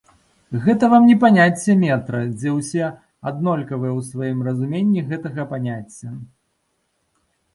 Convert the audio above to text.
Гэта вам не паняцце метра, дзе ўсе аднолькавыя ў сваім разуменні гэтага паняцця.